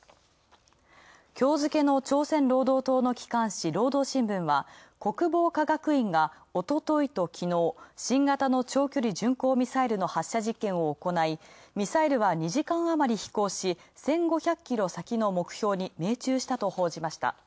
今日付けの朝鮮労働党の機関紙、労働新聞は、国防科学院が、おとといと昨日、新型の長距離巡航ミサイルの発射実験を行いミサイルは２時間あまり飛行し、１５００キロ先の目標に命中したと報じました。